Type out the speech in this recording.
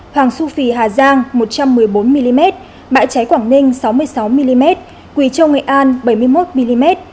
hoàng su phi hà giang một trăm một mươi bốn mm bãi cháy quảng ninh sáu mươi sáu mm quỳ châu nghệ an bảy mươi một mm